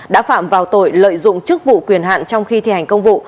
đã phạm vào tội lợi dụng chức vụ quyền hạn trong khi thi hành công vụ